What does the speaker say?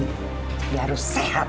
dia harus sehat